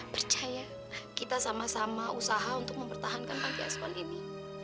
percaya kita sama sama usaha untuk mempertahankan panti asuhan ini